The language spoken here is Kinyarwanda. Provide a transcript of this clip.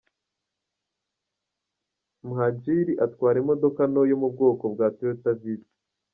Mhajiri atwara imodoka nto yo mu bwoko bwa Toyota Vitz.